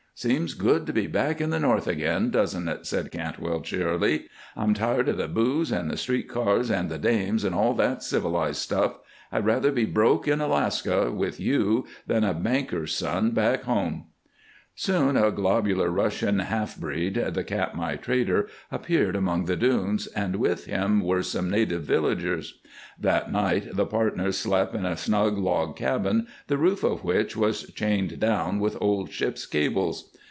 "Seems good to be back in the North again, doesn't it?" said Cantwell, cheerily. "I'm tired of the booze, and the street cars, and the dames, and all that civilized stuff. I'd rather be broke in Alaska with you than a banker's son, back home." Soon a globular Russian half breed, the Katmai trader, appeared among the dunes, and with him were some native villagers. That night the partners slept in a snug log cabin, the roof of which was chained down with old ships' cables.